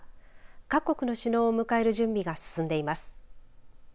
各国の首脳を迎える準備が進んでいます。